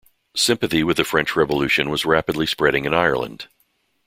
Sympathy with the French Revolution was rapidly spreading in Ireland.